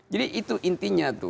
jadi itu intinya soalnya tuh